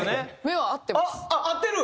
合ってる？